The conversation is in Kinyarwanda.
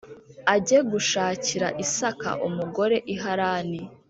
ajye gushakira Isaka umugore i Harani